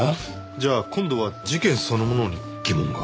じゃあ今度は事件そのものに疑問が？